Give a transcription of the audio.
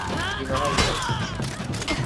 Yenɣa-yas-tt.